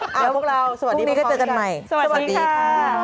เดี๋ยวพวกเราพรุ่งนี้ก็เจอกันใหม่สวัสดีค่ะสวัสดีค่ะ